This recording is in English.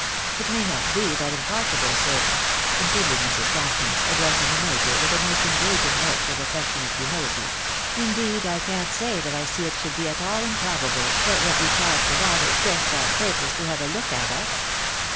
It may not be that impos sible, sir," continued Mrs. Tomkins, addressing the major, with a most engaging look of affectionate humility, " indeed, I can't say that I see it should be at all improbable, but what you crossed the water just on purpose to have a look at us.